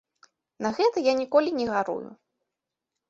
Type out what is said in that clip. На гэта я ніколі не гарую.